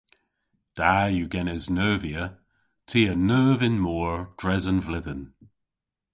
Da yw genes neuvya. Ty a neuv y'n mor dres an vledhen.